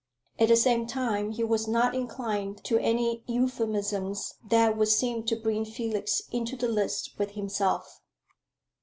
At the same time he was not inclined to any euphemisms that would seem to bring Felix into the lists with himself.